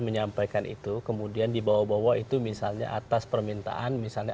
menyampaikan itu kemudian dibawa bawa itu misalnya atas permintaan misalnya